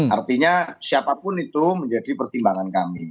artinya siapapun itu menjadi pertimbangan kami